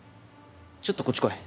ちょっとこっち来い。